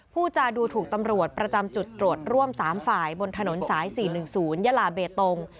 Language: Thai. ผู้จาดูถูกตำรวจประจำจุดตรวจร่วม๓ฝ่ายบนถนนสาย๔๑๐ยาลาเบตง